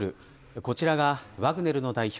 こちらがワグネルの代表